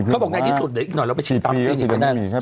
เขาบอกในที่สุดเดี๋ยวก็อีกหน่อยเราไปฉีดตั้งตี้โดดที่ด้านค่ะ